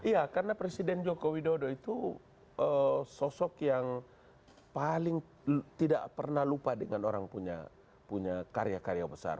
iya karena presiden joko widodo itu sosok yang paling tidak pernah lupa dengan orang punya karya karya besar